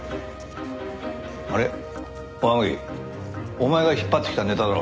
お前が引っ張ってきたネタだろ。